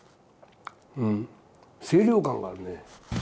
うん、清涼感があるね。